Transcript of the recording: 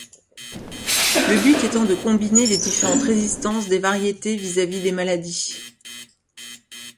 Le but étant de combiner les différentes résistances des variétés vis-à-vis des maladies.